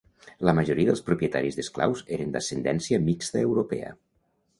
La majoria dels propietaris d'esclaus eren d'ascendència mixta europea.